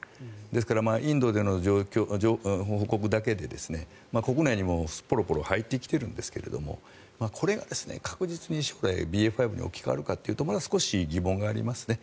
ですからインドでの報告だけで国内にもポロポロ入ってきているんですがこれが確実に将来ＢＡ．５に置き換わるかというとまだ少し疑問がありますね。